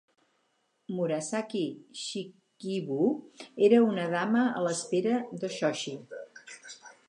Murasaki Shikibu era una dama a l'espera de Shoshi.